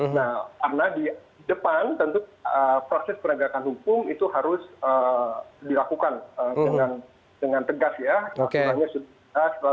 nah karena di depan tentu proses penegakan hukum itu harus dilakukan dengan tegas ya